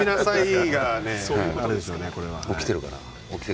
起きてるかな？